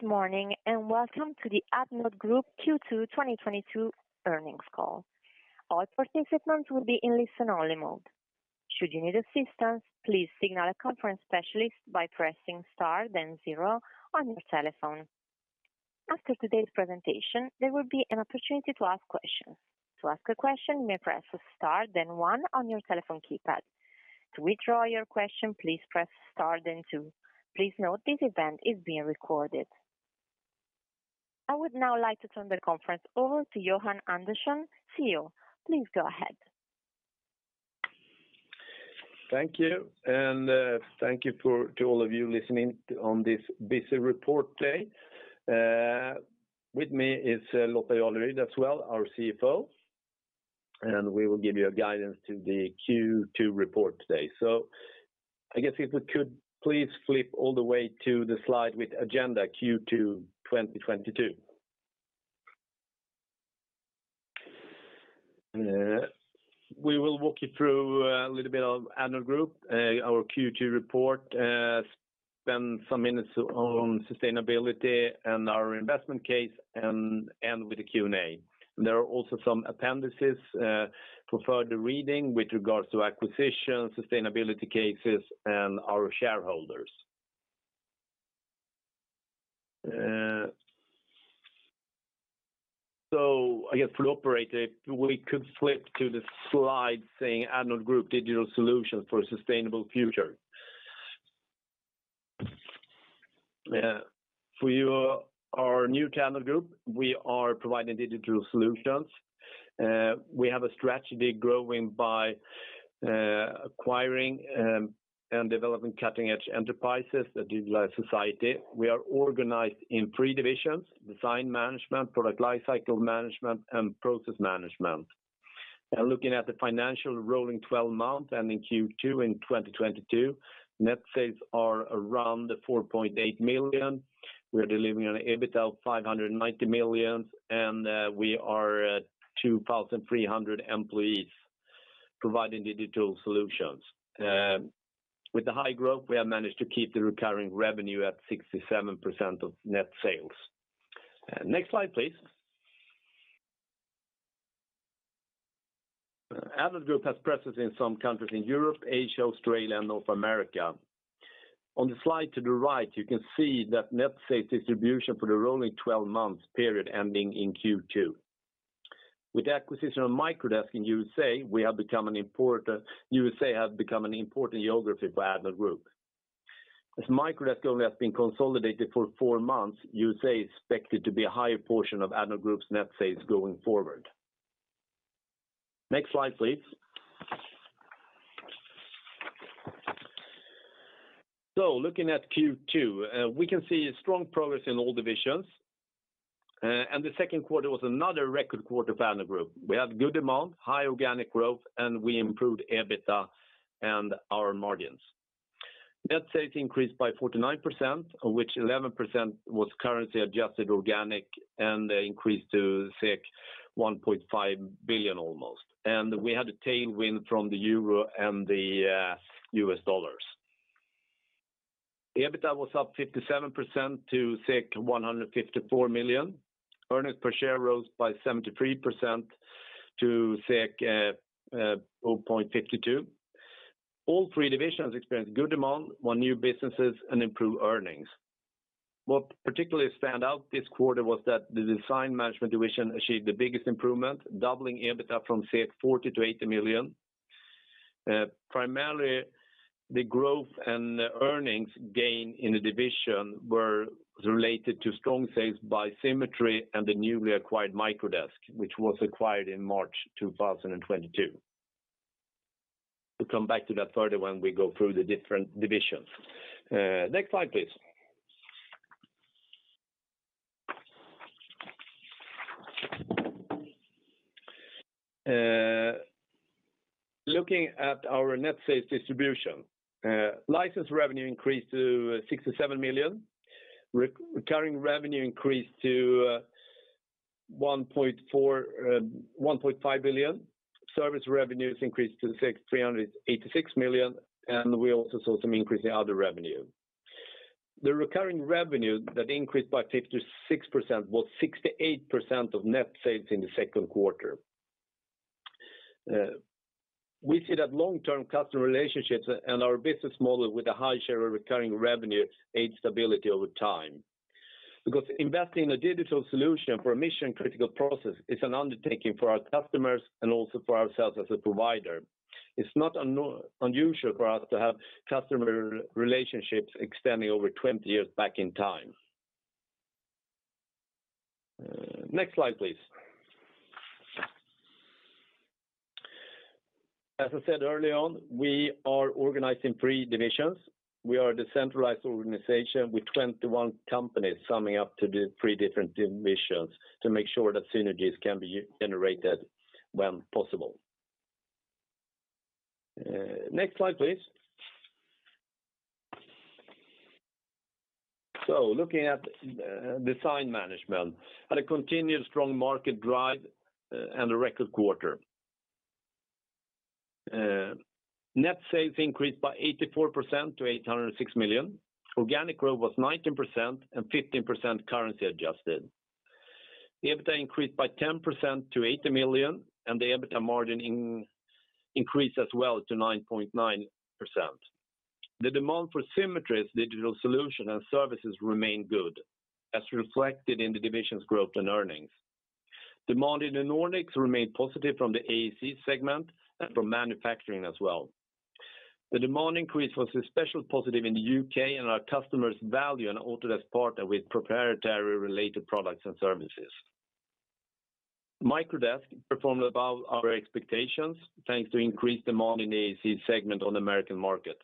Good morning, and welcome to the Addnode Group Q2 2022 earnings call. All participants will be in listen only mode. Should you need assistance, please signal a conference specialist by pressing star then zero on your telephone. After today's presentation, there will be an opportunity to ask questions. To ask a question, you may press star then one on your telephone keypad. To withdraw your question, please press star then two. Please note this event is being recorded. I would now like to turn the conference over to Johan Andersson, CEO. Please go ahead. Thank you to all of you listening on this busy report day. With me is Lotta Jarleryd as well, our CFO, and we will give you a guidance to the Q2 report today. I guess if we could please flip all the way to the slide with agenda Q2 2022. We will walk you through a little bit of Addnode Group, our Q2 report, spend some minutes on sustainability and our investment case and end with the Q&A. There are also some appendices for further reading with regards to acquisitions, sustainability cases, and our shareholders. I guess we operate it. We could flip to the slide saying Addnode Group digital solutions for a sustainable future. For those of you who are new to Addnode Group, we are providing digital solutions. We have a strategy growing by acquiring and developing cutting-edge enterprises that utilize society. We are organized in three divisions, Design Management, Product Lifecycle Management, and Process Management. Looking at the financial rolling 12-month ending Q2 in 2022, net sales are around 4.8 million. We are delivering an EBITA of 590 million, and we are at 2,300 employees providing digital solutions. With the high growth, we have managed to keep the recurring revenue at 67% of net sales. Next slide, please. Addnode Group has presence in some countries in Europe, Asia, Australia, North America. On the slide to the right, you can see that net sales distribution for the rolling 12 months period ending in Q2. With acquisition of Microdesk in U.S.A. has become an important geography for Addnode Group. As Microdesk only has been consolidated for four months, U.S.A. is expected to be a higher portion of Addnode Group's net sales going forward. Next slide, please. Looking at Q2, we can see strong progress in all divisions, and the second quarter was another record quarter for Addnode Group. We had good demand, high organic growth, and we improved EBITA and our margins. Net sales increased by 49%, of which 11% was currency adjusted organic and increased to 1.5 billion almost. We had a tailwind from the euro and the U.S. dollars. EBITA was up 57% to 154 million. Earnings per share rose by 73% to 0.52. All three divisions experienced good demand, won new businesses, and improved earnings. What particularly stands out this quarter was that the Design Management division achieved the biggest improvement, doubling EBITA from 40 million-80 million. Primarily, the growth and earnings gain in the division were related to strong sales by Symetri and the newly acquired Microdesk, which was acquired in March 2022. We'll come back to that further when we go through the different divisions. Next slide, please. Looking at our net sales distribution, license revenue increased to 67 million. Recurring revenue increased to 1.5 billion. Service revenues increased to 386 million, and we also saw some increase in other revenue. The recurring revenue that increased by 56% was 68% of net sales in the second quarter. We see that long-term customer relationships and our business model with a high share of recurring revenue aid stability over time. Because investing in a digital solution for a mission-critical process is an undertaking for our customers and also for ourselves as a provider. It's not unusual for us to have customer relationships extending over 20 years back in time. Next slide, please. As I said early on, we are organized in three divisions. We are a decentralized organization with 21 companies summing up to the three different divisions to make sure that synergies can be generated when possible. Next slide, please. Looking at Design Management with a continued strong market drive and a record quarter. Net sales increased by 84% to 806 million. Organic growth was 19% and 15% currency adjusted. The EBITA increased by 10% to 80 million, and the EBITA margin increased as well to 9.9%. The demand for Symetri's digital solution and services remained good, as reflected in the division's growth and earnings. Demand in the Nordics remained positive from the AEC segment and from manufacturing as well. The demand increase was especially positive in the U.K., and our customers value an Autodesk partner with proprietary related products and services. Microdesk performed above our expectations, thanks to increased demand in the AEC segment on the American market.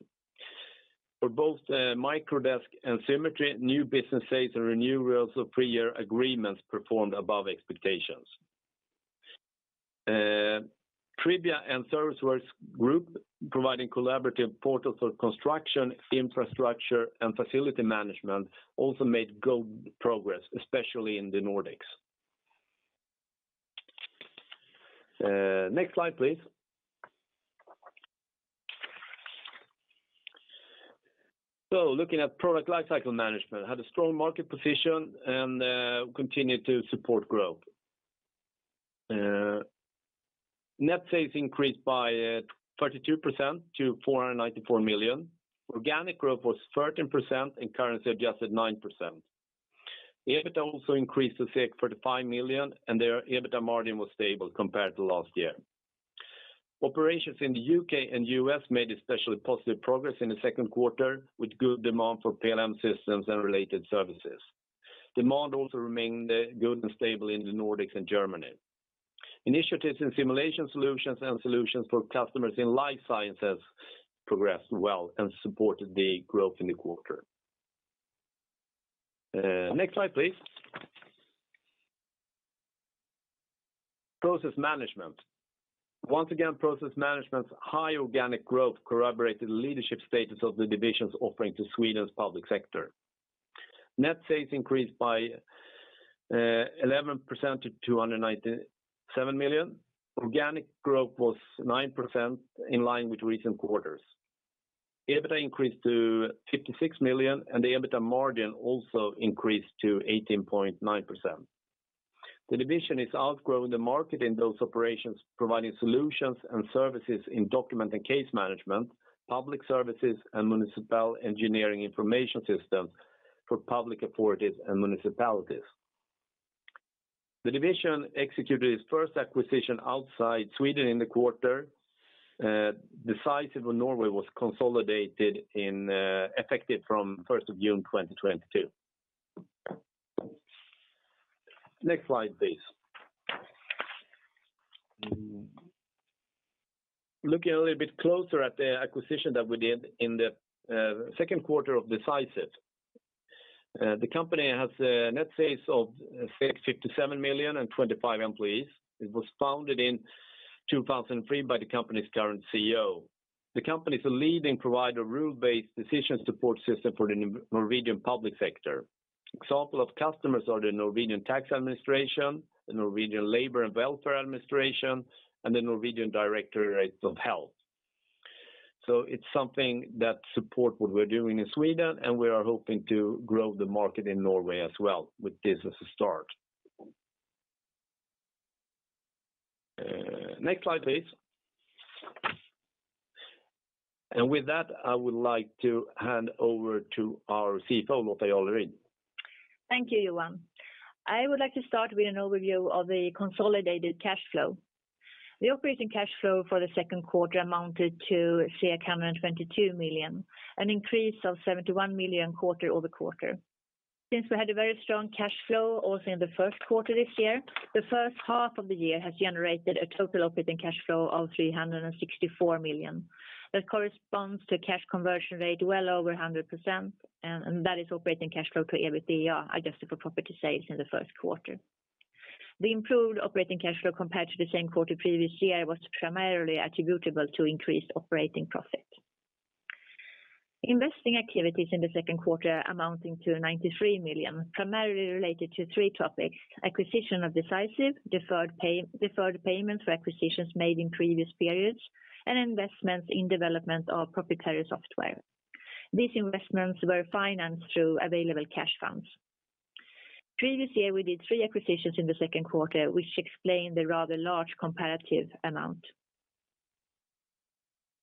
For both, Microdesk and Symetri, new business sales and renewals of prior agreements performed above expectations. Tribia and Service Works Group providing collaborative portals for construction, infrastructure, and facility management also made good progress, especially in the Nordics. Next slide, please. Looking at Product Lifecycle Management, had a strong market position and continued to support growth. Net sales increased by 32% to 494 million. Organic growth was 13% and currency adjusted 9%. EBITA also increased to 35 million, and their EBITA margin was stable compared to last year. Operations in the U.K. And U.S. made especially positive progress in the second quarter, with good demand for PLM systems and related services. Demand also remained good and stable in the Nordics and Germany. Initiatives in simulation solutions and solutions for customers in life sciences progressed well and supported the growth in the quarter. Next slide, please. Process Management. Once again, Process Management's high organic growth corroborated leadership status of the division's offerings to Sweden's public sector. Net sales increased by 11% to 297 million. Organic growth was 9% in line with recent quarters. EBITA increased to 56 million, and the EBITA margin also increased to 18.9%. The division is outgrowing the market in those operations, providing solutions and services in document and case management, public services, and municipal engineering information systems for public authorities and municipalities. The division executed its first acquisition outside Sweden in the quarter. Decisive in Norway was consolidated in, effective from 1st of June 2022. Next slide, please. Looking a little bit closer at the acquisition that we did in the second quarter of Decisive. The company has net sales of 57 million and 25 employees. It was founded in 2003 by the company's current CEO. The company is a leading provider rule-based decision support system for the Norwegian public sector. Example of customers are the Norwegian Tax Administration, the Norwegian Labour and Welfare Administration, and the Norwegian Directorate of Health. It's something that support what we're doing in Sweden, and we are hoping to grow the market in Norway as well with this as a start. Next slide, please. With that, I would like to hand over to our CFO, Lotta Jarleryd. Thank you, Johan. I would like to start with an overview of the consolidated cash flow. The operating cash flow for the second quarter amounted to 322 million, an increase of 71 million quarter-over-quarter. Since we had a very strong cash flow also in the first quarter this year, the first half of the year has generated a total operating cash flow of 364 million. That corresponds to a cash conversion rate well over 100%, and that is operating cash flow to EBITA, adjusted for property sales in the first quarter. The improved operating cash flow compared to the same quarter previous year was primarily attributable to increased operating profit. Investing activities in the second quarter amounting to 93 million, primarily related to three topics, acquisition of Decisive, deferred payments for acquisitions made in previous periods, and investments in development of proprietary software. These investments were financed through available cash funds. Previous year, we did three acquisitions in the second quarter, which explained the rather large comparative amount.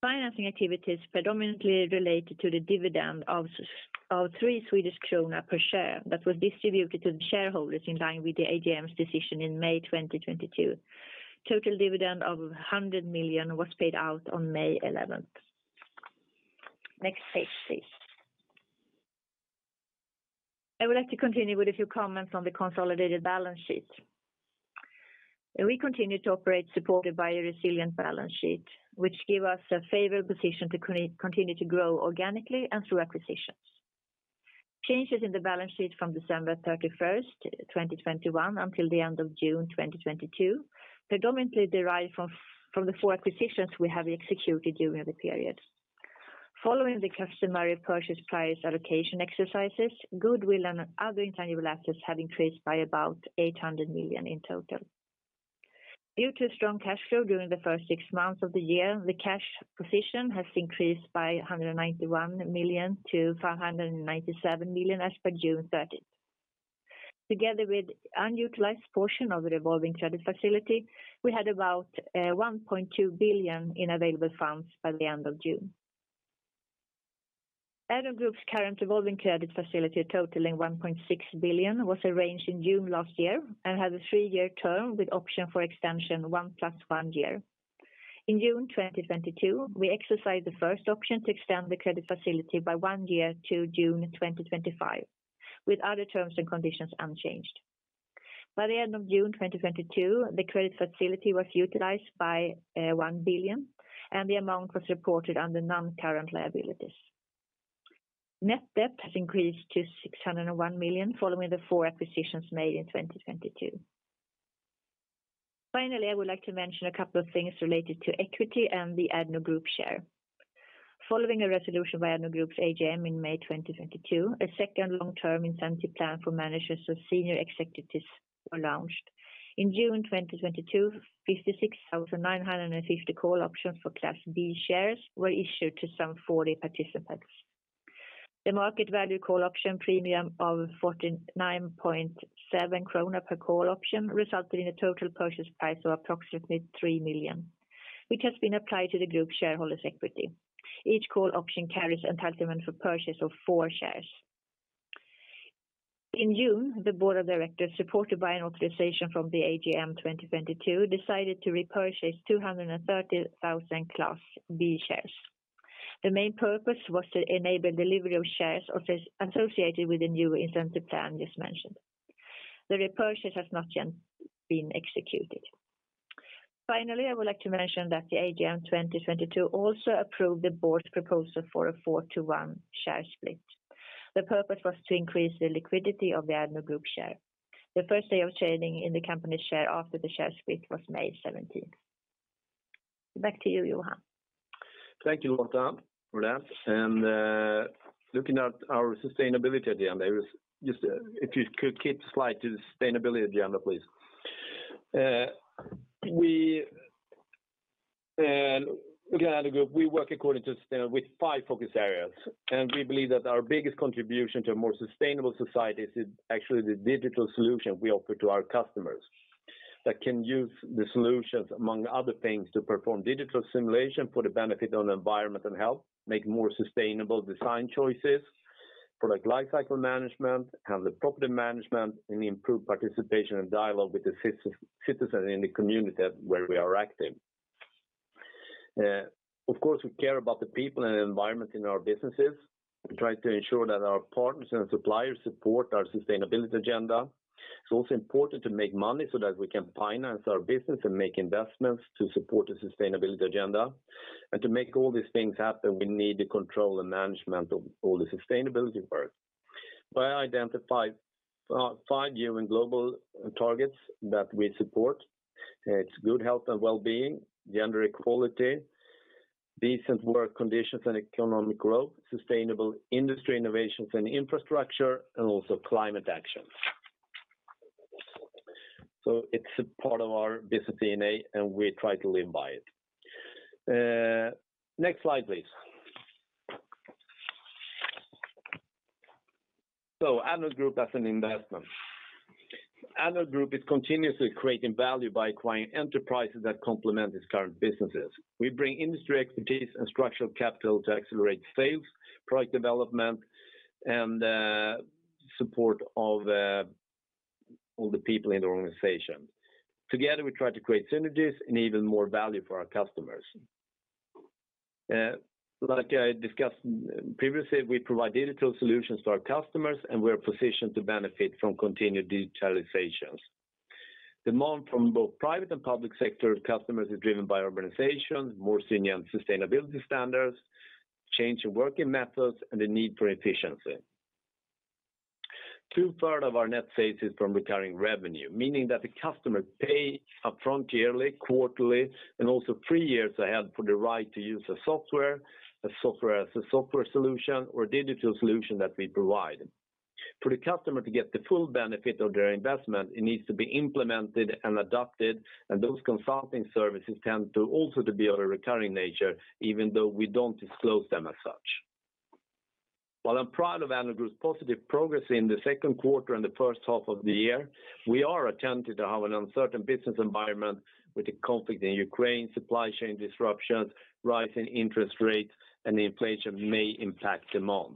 Financing activities predominantly related to the dividend of 3 Swedish krona per share that was distributed to shareholders in line with the AGM's decision in May 2022. Total dividend of 100 million was paid out on May 11th. Next page, please. I would like to continue with a few comments on the consolidated balance sheet. We continue to operate supported by a resilient balance sheet, which give us a favored position to continue to grow organically and through acquisitions. Changes in the balance sheet from December 31st, 2021, until the end of June 2022 predominantly derived from the four acquisitions we have executed during the period. Following the customary purchase price allocation exercises, goodwill and other intangible assets have increased by about 800 million in total. Due to strong cash flow during the first six months of the year, the cash position has increased by 191 million to 597 million as per June 30. Together with unutilized portion of the revolving credit facility, we had about 1.2 billion in available funds by the end of June. Addnode Group's current revolving credit facility totaling 1.6 billion was arranged in June last year and has a three-year term with option for extension 1 + 1 year. In June 2022, we exercised the first option to extend the credit facility by one year to June 2025, with other terms and conditions unchanged. By the end of June 2022, the credit facility was utilized by 1 billion, and the amount was reported under non-current liabilities. Net debt has increased to 601 million following the four acquisitions made in 2022. Finally, I would like to mention a couple of things related to equity and the Addnode Group share. Following a resolution by Addnode Group's AGM in May 2022, a second long-term incentive plan for managers or senior executives were launched. In June 2022, 56,950 call options for Class B shares were issued to some 40 participants. The market value call option premium of 49.7 krona per call option resulted in a total purchase price of approximately 3 million, which has been applied to the group shareholder's equity. Each call option carries entitlement for purchase of four shares. In June, the board of directors, supported by an authorization from the AGM 2022, decided to repurchase 230,000 Class B shares. The main purpose was to enable delivery of shares associated with the new incentive plan just mentioned. The repurchase has not yet been executed. Finally, I would like to mention that the AGM 2022 also approved the board's proposal for a four-to-one share split. The purpose was to increase the liquidity of the Addnode Group share. The first day of trading in the company share after the share split was May 17th. Back to you, Johan. Thank you, Lotta, for that. Looking at our sustainability agenda, there is just if you could keep slide to sustainability agenda, please. We look at Addnode Group, we work according to sustainability with five focus areas. We believe that our biggest contribution to a more sustainable society is actually the digital solution we offer to our customers that can use the solutions, among other things, to perform digital simulation for the benefit of environment and health, make more sustainable design choices, product lifecycle management, handle property management, and improve participation and dialogue with the citizen in the community where we are active. Of course, we care about the people and environment in our businesses. We try to ensure that our partners and suppliers support our sustainability agenda. It's also important to make money so that we can finance our business and make investments to support the sustainability agenda. To make all these things happen, we need the control and management of all the sustainability work. I identified five UN Global targets that we support. It's good health and wellbeing, gender equality, decent work conditions and economic growth, sustainable industry innovations and infrastructure, and also climate action. It's a part of our business DNA, and we try to live by it. Next slide, please. Addnode Group as an investment. Addnode Group is continuously creating value by acquiring enterprises that complement its current businesses. We bring industry expertise and structural capital to accelerate sales, product development, and support of all the people in the organization. Together, we try to create synergies and even more value for our customers. Like I discussed previously, we provide digital solutions to our customers, and we're positioned to benefit from continued digitalizations. Demand from both private and public sector customers is driven by urbanization, more senior sustainability standards, change in working methods, and the need for efficiency. 2/3 of our net sales is from recurring revenue, meaning that the customer pay upfront yearly, quarterly, and also three years ahead for the right to use a software as a service solution or digital solution that we provide. For the customer to get the full benefit of their investment, it needs to be implemented and adopted, and those consulting services tend to also be of a recurring nature, even though we don't disclose them as such. While I'm proud of Addnode Group's positive progress in the second quarter and the first half of the year, we are attentive to the uncertain business environment with the conflict in Ukraine, supply chain disruptions, rising interest rates, and inflation may impact demand.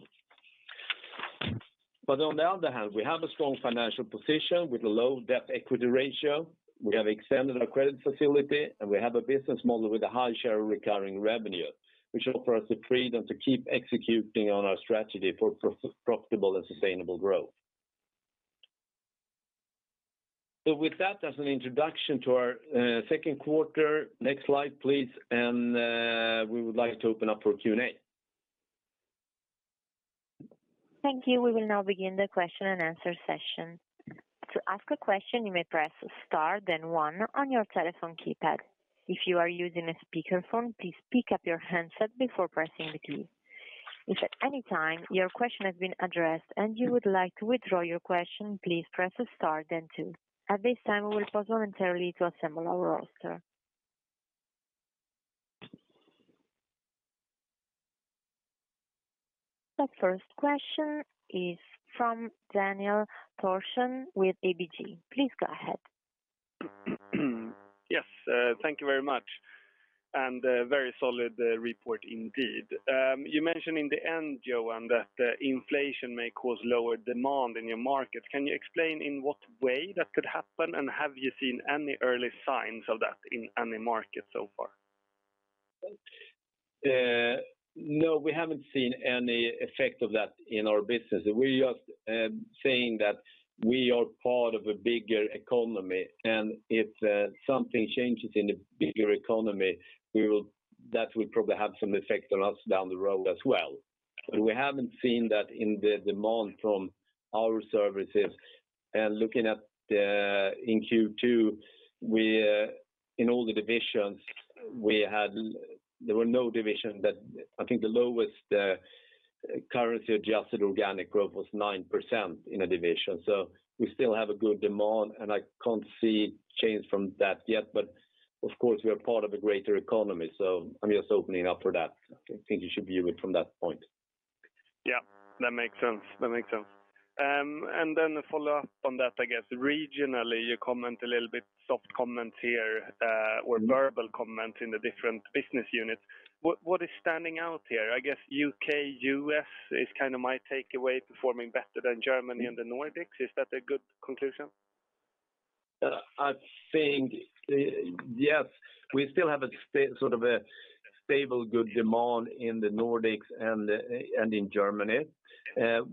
On the other hand, we have a strong financial position with a low debt-equity ratio. We have extended our credit facility, and we have a business model with a high share of recurring revenue, which offers us the freedom to keep executing on our strategy for profitable and sustainable growth. With that as an introduction to our second quarter, next slide, please. We would like to open up for Q&A. Thank you. We will now begin the question-and-answer session. To ask a question, you may press star then one on your telephone keypad. If you are using a speakerphone, please pick up your handset before pressing the key. If at any time your question has been addressed and you would like to withdraw your question, please press star then two. At this time, we will pause momentarily to assemble our roster. The first question is from Daniel Thorsson with ABG. Please go ahead. Yes, thank you very much, and a very solid report indeed. You mentioned in the end, Johan, that the inflation may cause lower demand in your markets. Can you explain in what way that could happen, and have you seen any early signs of that in any market so far? No, we haven't seen any effect of that in our business. We're just saying that we are part of a bigger economy, and if something changes in the bigger economy, that will probably have some effect on us down the road as well. We haven't seen that in the demand from our services. Looking at in Q2, in all the divisions we had, there was no division. I think the lowest currency-adjusted organic growth was 9% in a division. We still have a good demand, and I can't see change from that yet. Of course, we are part of a greater economy, so I'm just opening up for that. I think you should view it from that point. Yeah, that makes sense. A follow-up on that, I guess. Regionally, you comment a little bit soft comments here, or verbal comments in the different business units. What is standing out here? I guess U.K., U.S. is kind of my takeaway, performing better than Germany and the Nordics. Is that a good conclusion? I think, yes. We still have a sort of a stable good demand in the Nordics and in Germany.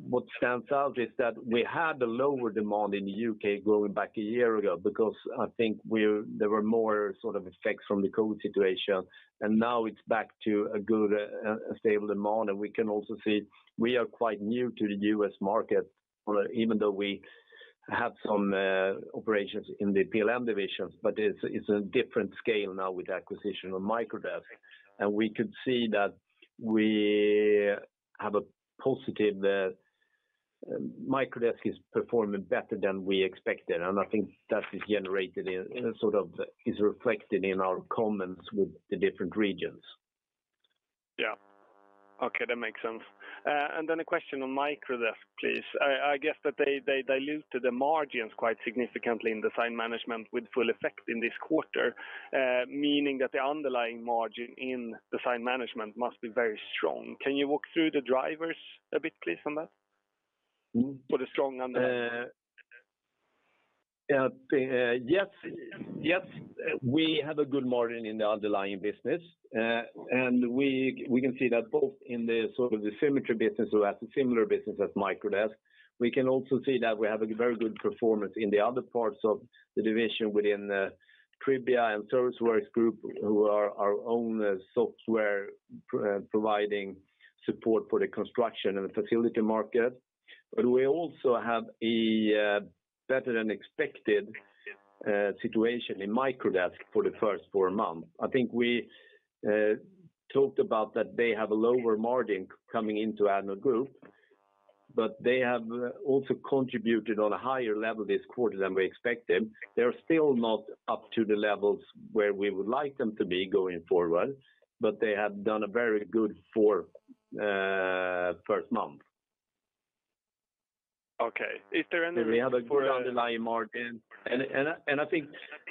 What stands out is that we had a lower demand in the U.K. going back a year ago because I think there were more sort of effects from the COVID situation, and now it's back to a good, stable demand. We can also see we are quite new to the U.S. market, even though we have some operations in the PLM divisions, but it's a different scale now with the acquisition of Microdesk. We could see that we have a positive. The Microdesk is performing better than we expected, and I think that is reflected in our comments with the different regions. Yeah. Okay, that makes sense. A question on Microdesk, please. I guess that they diluted the margins quite significantly in Design Management with full effect in this quarter, meaning that the underlying margin in Design Management must be very strong. Can you walk through the drivers a bit, please, on that? Mm-hmm. For the strong underlying. Yes, we have a good margin in the underlying business. We can see that both in the sort of the Symetri business who has a similar business as Microdesk. We can also see that we have a very good performance in the other parts of the division within the Tribia and Service Works Group, who are our own software providing support for the construction and facility market. We also have a better-than-expected situation in Microdesk for the first four months. I think we talked about that they have a lower margin coming into Addnode Group, but they have also contributed on a higher level this quarter than we expected. They're still not up to the levels where we would like them to be going forward, but they have done a very good four first month. Okay. We have a good underlying margin. I think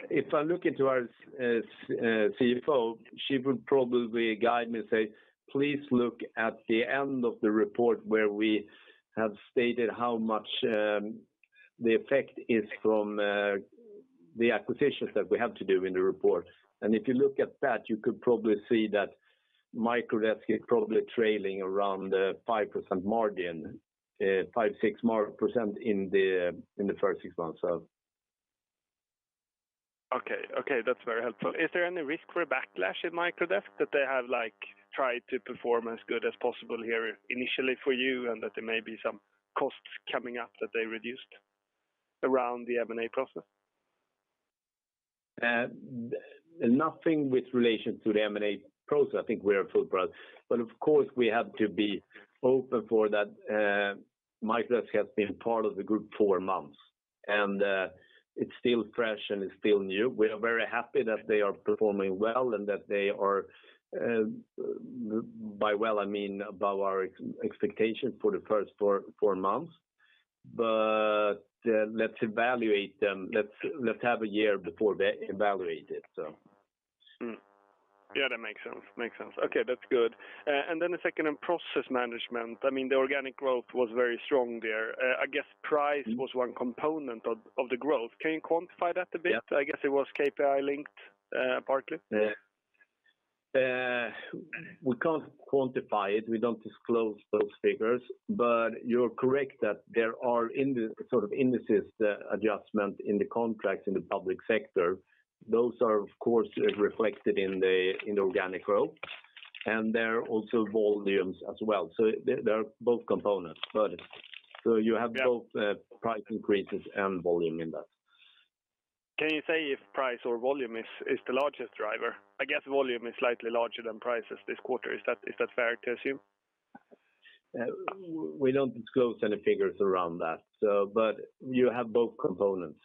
if I look into our CFO, she would probably guide me and say, "Please look at the end of the report where we have stated how much the effect is from the acquisitions that we have to do in the report." If you look at that, you could probably see that Microdesk is probably trailing around a 5% margin, 5%-6% in the first six months. Okay, okay. That's very helpful. Is there any risk for a backlash in Microdesk that they have, like, tried to perform as good as possible here initially for you, and that there may be some costs coming up that they reduced around the M&A process? Nothing with relation to the M&A process. I think we are full price. Of course, we have to be open for that. Microdesk has been part of the group four months, and it's still fresh and it's still new. We are very happy that they are performing well and that they are. By well, I mean above our expectation for the first four months. Let's evaluate them. Let's have a year before we evaluate it so. Yeah, that makes sense. Okay, that's good. The second on Process Management. I mean, the organic growth was very strong there. I guess price was one component of the growth. Can you quantify that a bit? Yeah. I guess it was KPI-linked, partly. Yeah. We can't quantify it. We don't disclose those figures. You're correct that there are sort of indices adjustment in the contracts in the public sector. Those are, of course, reflected in the organic growth. There are also volumes as well. There are both components. You have both price increases and volume in that. Can you say if price or volume is the largest driver? I guess volume is slightly larger than prices this quarter. Is that fair to assume? We don't disclose any figures around that, so but you have both components.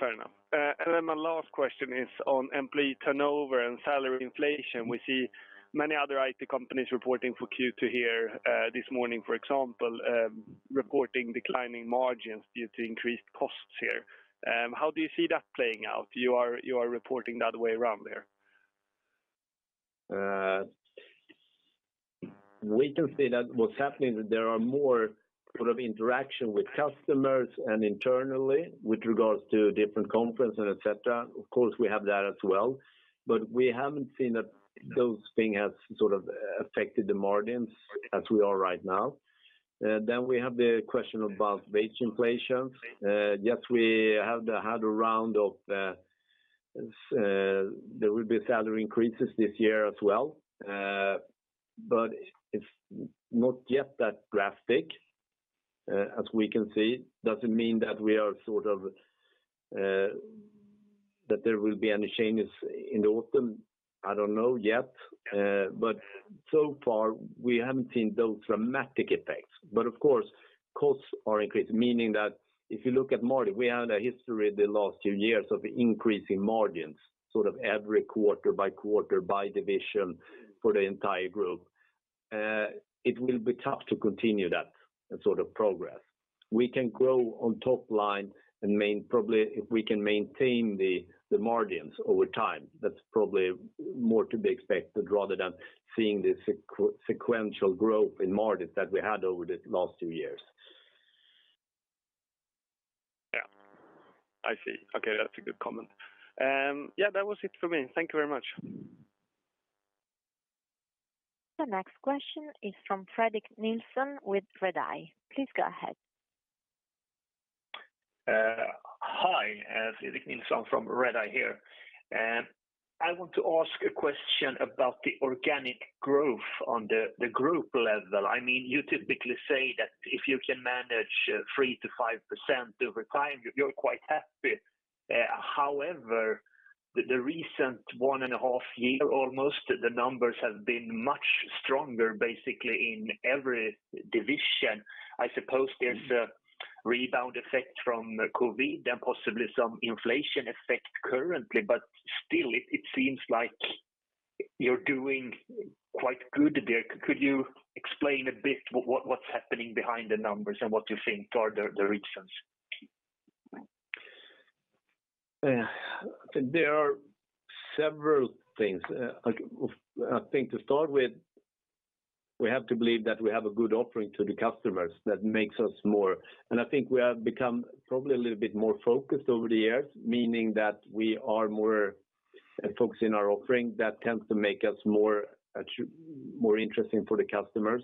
Fair enough. My last question is on employee turnover and salary inflation. We see many other IT companies reporting for Q2 here this morning, for example, reporting declining margins due to increased costs here. How do you see that playing out? You are reporting the other way around there. We can see that what's happening is there are more sort of interaction with customers and internally with regards to different conferences, et cetera. Of course, we have that as well. We haven't seen that those things have sort of affected the margins as we are right now. We have the question about wage inflation. Yes, we have had a round of. There will be salary increases this year as well. It's not yet that drastic as we can see. Doesn't mean that we are sort of that there will be any changes in the autumn, I don't know yet. So far, we haven't seen those dramatic effects. Of course, costs are increasing, meaning that if you look at margin, we have a history the last few years of increasing margins, sort of every quarter-by-quarter by division for the entire group. It will be tough to continue that sort of progress. We can grow on top line and probably if we can maintain the margins over time, that's probably more to be expected rather than seeing the sequential growth in margins that we had over the last two years. Yeah. I see. Okay. That's a good comment. Yeah, that was it for me. Thank you very much. The next question is from Fredrik Nilsson with Redeye. Please go ahead. Hi. It's Fredrik Nilsson from Redeye here. I want to ask a question about the organic growth on the group level. I mean, you typically say that if you can manage 3%-5% over time, you're quite happy. However, the recent 1.5 year almost, the numbers have been much stronger, basically in every division. I suppose there's a rebound effect from COVID, then possibly some inflation effect currently. Still, it seems like you're doing quite good there. Could you explain a bit what's happening behind the numbers and what you think are the reasons? There are several things. I think to start with, we have to believe that we have a good offering to the customers that makes us more. I think we have become probably a little bit more focused over the years, meaning that we are more focused in our offering that tends to make us more interesting for the customers.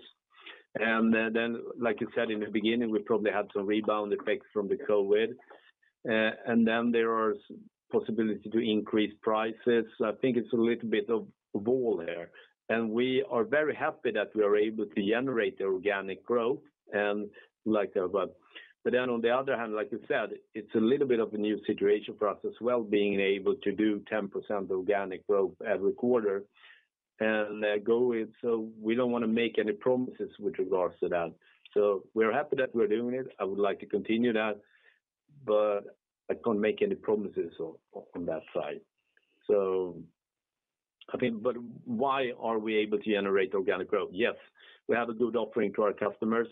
Like you said in the beginning, we probably had some rebound effects from the COVID. There are possibility to increase prices. I think it's a little bit of all there. We are very happy that we are able to generate the organic growth and like that. Then on the other hand, like you said, it's a little bit of a new situation for us as well, being able to do 10% organic growth every quarter and go with. We don't want to make any promises with regards to that. We're happy that we're doing it. I would like to continue that, but I can't make any promises on that side. I think. Why are we able to generate organic growth? Yes, we have a good offering to our customers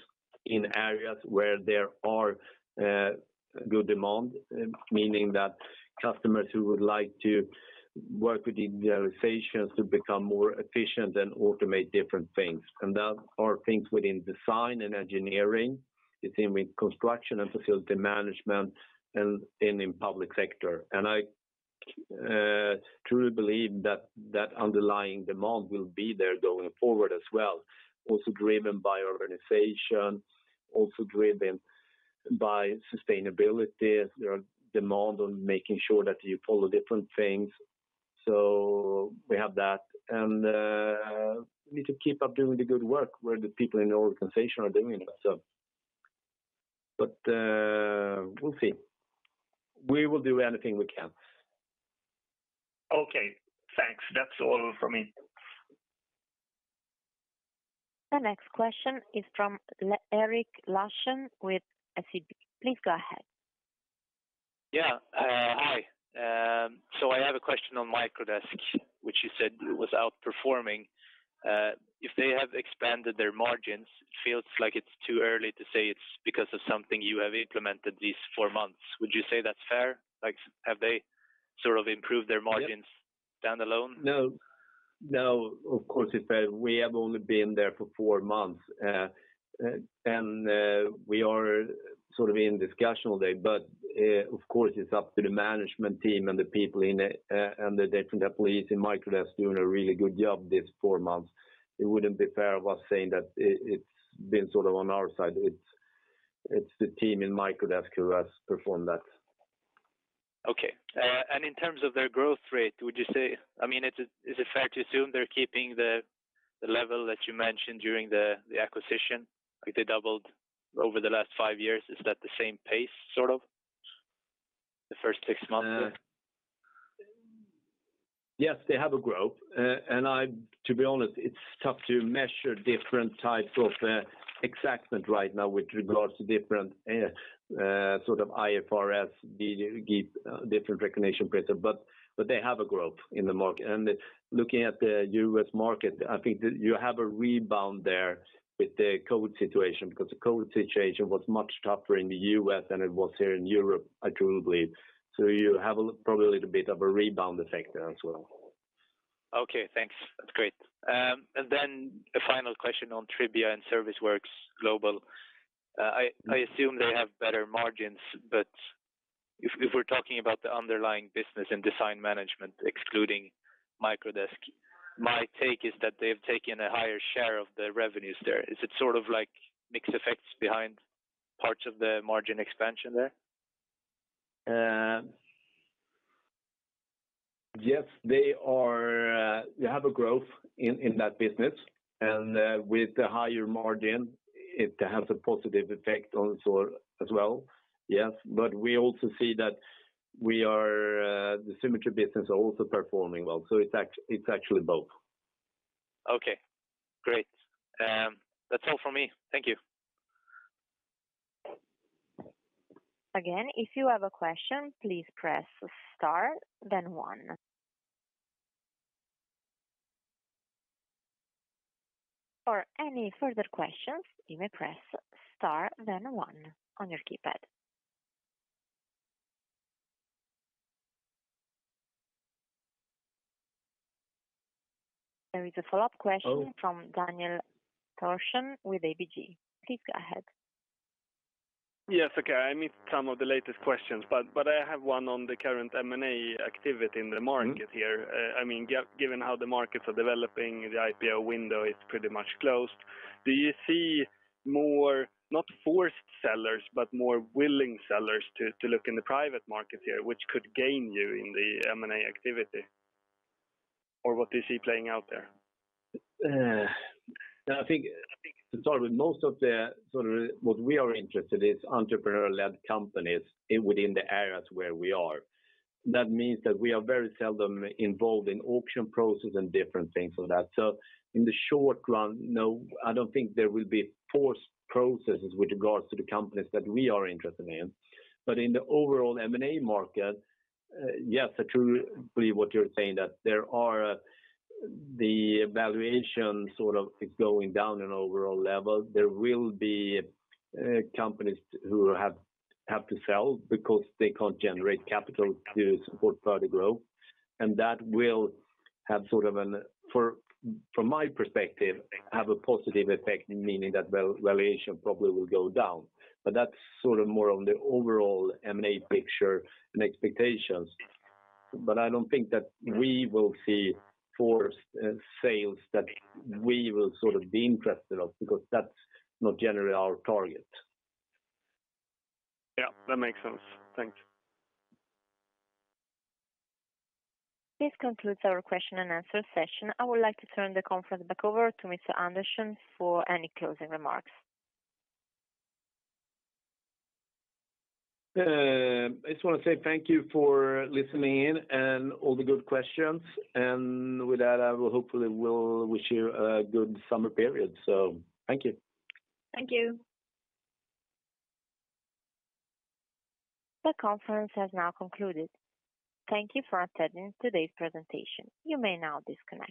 in areas where there are good demand, meaning that customers who would like to work with the organizations to become more efficient and automate different things. That are things within design and engineering, the same with construction and facility management and in public sector. I truly believe that underlying demand will be there going forward as well, also driven by organization, also driven by sustainability. There is demand on making sure that you follow different things. We have that. We need to keep up doing the good work where the people in the organization are doing that. We'll see. We will do anything we can. Okay. Thanks. That's all from me. The next question is from Erik Larsson with SEB. Please go ahead. Yeah. Hi. I have a question on Microdesk, which you said was outperforming. If they have expanded their margins, it feels like it's too early to say it's because of something you have implemented these four months. Would you say that's fair? Like, have they sort of improved their margins standalone? No, no, of course it's fair. We have only been there for four months. We are sort of in discussion all day. Of course, it's up to the management team and the people in it, and the different employees in Microdesk doing a really good job these four months. It wouldn't be fair of us saying that it's been sort of on our side. It's the team in Microdesk who has performed that. Okay. In terms of their growth rate, would you say? I mean, is it fair to assume they're keeping the level that you mentioned during the acquisition? Like they doubled over the last five years, is that the same pace sort of the first six months? Yes, they have a growth. To be honest, it's tough to measure different types of exactment right now with regards to different sort of IFRS, different recognition criteria. But they have a growth in the market. Looking at the U.S. market, I think that you have a rebound there with the COVID situation, because the COVID situation was much tougher in the U.S. than it was here in Europe, I truly believe. You have probably a little bit of a rebound effect there as well. Okay, thanks. That's great. A final question on Tribia and Service Works Group. I assume they have better margins, but if we're talking about the underlying business and Design Management excluding Microdesk, my take is that they've taken a higher share of the revenues there. Is it sort of like mixed effects behind parts of the margin expansion there? Yes. They are. They have a growth in that business. With the higher margin, it has a positive effect on EBITA as well. Yes. We also see that we are the Symetri business are also performing well, so it's actually both. Okay, great. That's all from me. Thank you. Again, if you have a question, please press star then one. For any further questions, you may press star then one on your keypad. There is a follow-up question. Oh. From Daniel Thorsson with ABG. Please go ahead. Yes, okay. I missed some of the latest questions, but I have one on the current M&A activity in the market here. Mm-hmm. I mean, given how the markets are developing, the IPO window is pretty much closed. Do you see more, not forced sellers, but more willing sellers to look in the private market here, which could gain you in the M&A activity? Or what do you see playing out there? I think to start with most of the sort of what we are interested is entrepreneurial-led companies within the areas where we are. That means that we are very seldom involved in auction process and different things like that. In the short run, no, I don't think there will be forced processes with regards to the companies that we are interested in. In the overall M&A market, yes, I truly believe what you're saying, that there are the valuation sort of is going down in overall level. There will be companies who have to sell because they can't generate capital to support further growth. That will have sort of an from my perspective have a positive effect, meaning that valuation probably will go down. That's sort of more on the overall M&A picture and expectations. I don't think that we will see forced sales that we will sort of be interested in because that's not generally our target. Yeah, that makes sense. Thanks. This concludes our question-and-answer session. I would like to turn the conference back over to Mr. Andersson for any closing remarks. I just wanna say thank you for listening in and all the good questions. With that, I will hopefully wish you a good summer period. Thank you. Thank you. The conference has now concluded. Thank you for attending today's presentation. You may now disconnect.